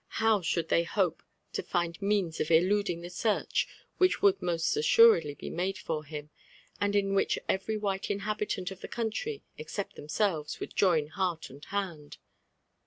How could they hope to finds means of eluding tb6 search which would most assuredly he made for him« and in which every white inhabitant of the country except themaelves would join heart and hand